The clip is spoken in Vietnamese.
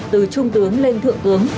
từ trung tướng lên thượng tướng